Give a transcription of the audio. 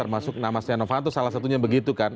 masuk nama setia novanto salah satunya begitu kan